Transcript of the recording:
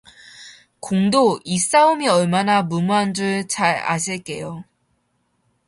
공도 이 싸움이 얼마나 무모한 줄 잘 아실게요